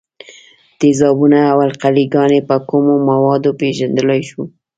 تیزابونه او القلي ګانې په کومو موادو پیژندلای شو؟